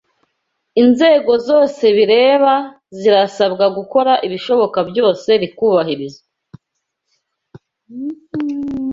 Inzego zose bireba zirasabwa gukora ibishoboka byose rikubahirizwa